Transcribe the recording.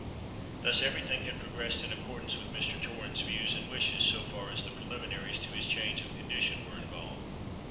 Thus every thing had progressed in accordance with Mr. Torrens' views and wishes, so far as the preliminaries to his change of condition were involved.